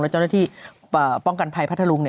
เจ้าหน้าที่ป้องกันภัยพัทธรุง